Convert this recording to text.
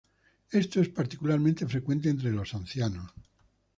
Esto es particularmente frecuente entre los ancianos.